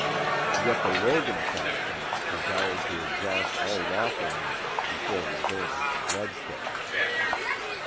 Yet the Logan faction desired to exhaust all lawful means before resorting to bloodshed.